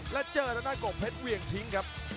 และเจอดังนั่นกรกเพชรเหวี่ยงทิ้งครับ